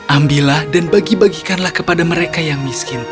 ambillah dan bagi bagikanlah kepada mereka yang miskin